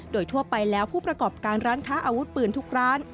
โดยทั่วไปแล้วผู้ประกอบการร้านค้าอาวุธปืนทุกร้าน